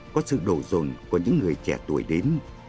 có sự đồ dồn của những người trẻ tuổi đến